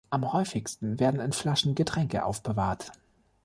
Am häufigsten werden in Flaschen Getränke aufbewahrt.